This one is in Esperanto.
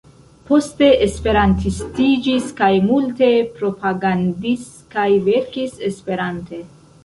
Poste Esperantistiĝis kaj multe propagandis kaj verkis Esperante.